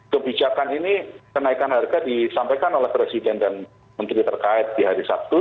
kebijakan ini kenaikan harga disampaikan oleh presiden dan menteri terkait di hari sabtu